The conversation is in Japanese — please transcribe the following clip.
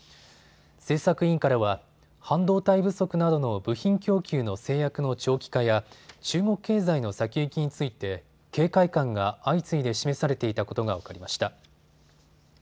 政策委員からは半導体不足などの部品供給の制約の長期化や中国経済の先行きについて警戒感が相次いで示されていたことが分かりました。